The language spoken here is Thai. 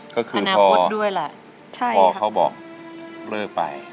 ก็คือพ่อเขาบอกเลิกไป